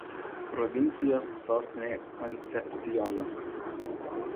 Provincijos sostinė Konsepsjonas.